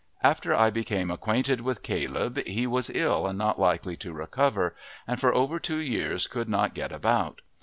After I became acquainted with Caleb he was ill and not likely to recover, and for over two years could not get about.